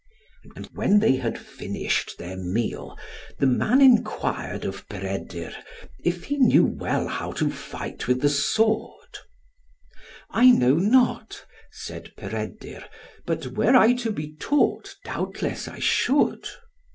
And when they had finished their meal, the man enquired of Peredur, if he knew well how to fight with the sword. "I know not," said Peredur, "but were I to be taught, doubtless I should."